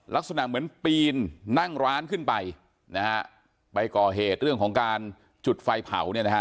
ลักษณะเหมือนปีนนั่งร้านขึ้นไปนะฮะไปก่อเหตุเรื่องของการจุดไฟเผาเนี่ยนะฮะ